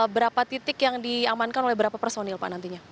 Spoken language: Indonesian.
berapa titik yang diamankan oleh berapa personil pak nantinya